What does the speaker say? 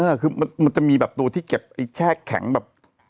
คือมันจะมีแบบตัวที่เก็บไอ้แช่แข็งแบบ